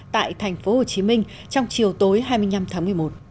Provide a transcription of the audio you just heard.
tại tp hcm trong chiều tối hai mươi năm tháng một mươi một